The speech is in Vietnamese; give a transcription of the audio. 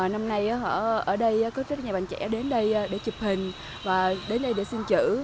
năm nay họ ở đây có rất nhiều bạn trẻ đến đây để chụp hình và đến đây để xin chữ